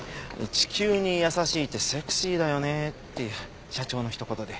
「地球に優しいってセクシーだよね」っていう社長のひと言で。